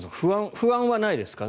不安はないですか？